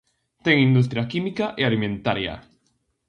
Ten industria química e alimentaria.